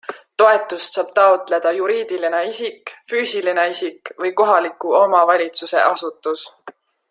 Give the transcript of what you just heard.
Toetust saab taotleda juriidiline isik, füüsiline isik või kohaliku omavalitsuse asutus.